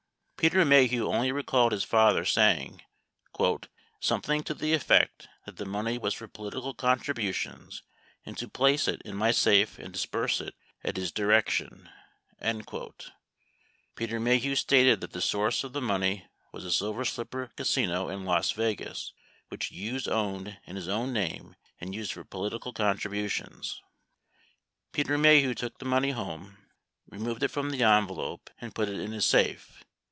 66 Peter Maheu only recalled his father saying "something to the effect that the money was for political contributions, and to place it in my safe and disburse it at his direction." 67 Peter Maheu stated that the source of t'he money was the Silver Slipper Casino in Las Vegas, which Hughes owned in his own name and used for political contributions. 68 Peter Maheu took the money home, removed it from the envelope, and put it in his safe.